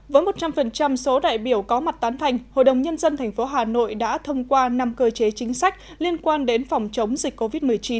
với một trăm linh số đại biểu có mặt tán thành hội đồng nhân dân tp hà nội đã thông qua năm cơ chế chính sách liên quan đến phòng chống dịch covid một mươi chín